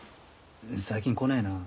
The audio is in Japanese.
最近来ねえなぁ。